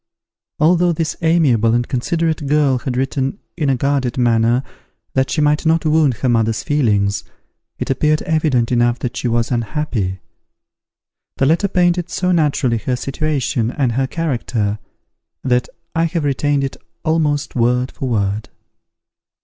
Although this amiable and considerate girl had written in a guarded manner that she might not wound her mother's feelings, it appeared evident enough that she was unhappy. The letter painted so naturally her situation and her character, that I have retained it almost word for word.